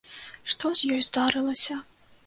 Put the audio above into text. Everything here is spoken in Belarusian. Што з ёй здарылася?